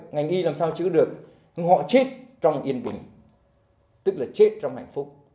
ngành y làm sao chữ được họ chết trong yên bình tức là chết trong hạnh phúc